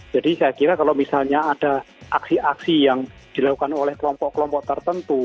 jadi saya kira kalau misalnya ada aksi aksi yang dilakukan oleh kelompok kelompok tertentu